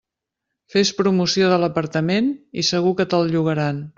Fes promoció de l'apartament i segur que te'l llogaran.